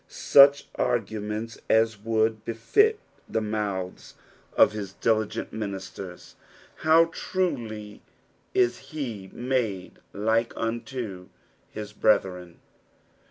such argnments aa would bcGt the mouths of his dili^nt ministers ! Raw trul; ia he " made like unto his brethren."